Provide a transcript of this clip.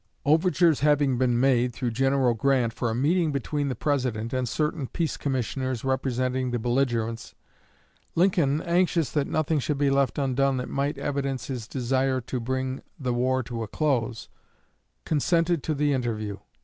Overtures having been made, through General Grant, for a meeting between the President and certain "peace commissioners" representing the belligerents, Lincoln, anxious that nothing should be left undone that might evidence his desire to bring the war to a close, consented to the interview.